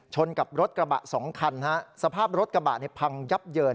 กับรถกระบะสองคันฮะสภาพรถกระบะพังยับเยิน